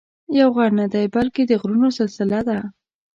یو غر نه دی بلکې د غرونو سلسله ده.